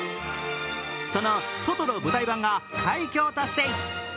その「トトロ」舞台版が快挙を達成。